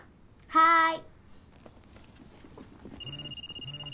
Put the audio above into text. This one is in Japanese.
はい！